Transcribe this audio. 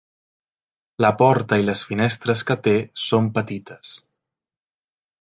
La porta i les finestres que té són petites.